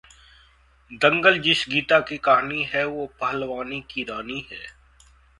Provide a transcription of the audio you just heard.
'दंगल' जिस गीता की कहानी है, वो पहलवानी की रानी है...